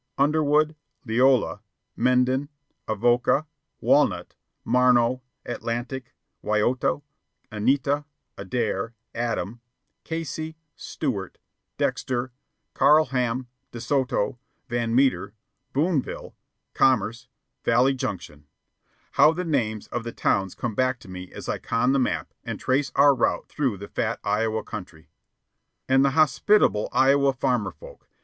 Underwood, Leola, Menden, Avoca, Walnut, Marno, Atlantic, Wyoto, Anita, Adair, Adam, Casey, Stuart, Dexter, Carlham, De Soto, Van Meter, Booneville, Commerce, Valley Junction how the names of the towns come back to me as I con the map and trace our route through the fat Iowa country! And the hospitable Iowa farmer folk!